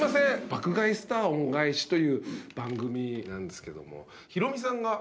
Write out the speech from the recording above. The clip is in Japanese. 『爆買い☆スター恩返し』という番組なんですけども。